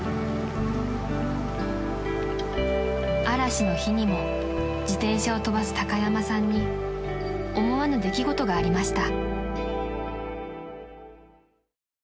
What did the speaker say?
［嵐の日にも自転車を飛ばす高山さんに思わぬ出来事がありました］